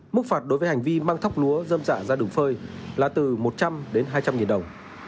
mức phạt đối với hành vi mang thóc lúa dâm dạ ra đường phơi là từ một trăm linh đến hai trăm linh nghìn đồng